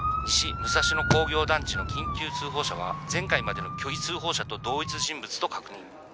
西武蔵野工業団地の緊急通報者は前回までの虚偽通報者と同一人物と確認